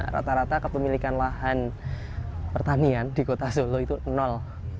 rata rata kepemilikan lahan pertanian di kota solo itu nol